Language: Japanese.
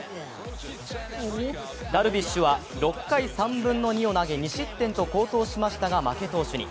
ダルビッシュは６回３分の２を投げ２失点と好投しましたが負け投手に。